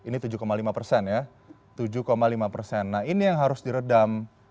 nah ini yang harus diredam